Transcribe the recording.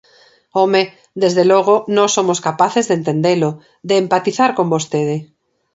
¡Home!, desde logo, nós somos capaces de entendelo, de empatizar con vostede.